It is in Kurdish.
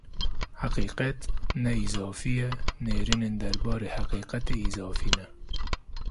Heqîqet ne îzafî ye, nêrînên derbarê heqîqetê îzafî ne.